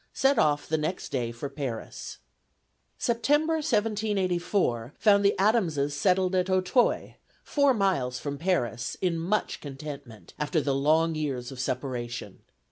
Set off the next day for Paris." September, 1784, found the Adamses settled at Auteuil, four miles from Paris, in much contentment, after the long years of separation.